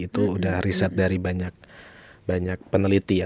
itu udah riset dari banyak peneliti ya